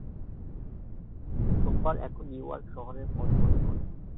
সোমবার এখন New York শহরে বাস করে।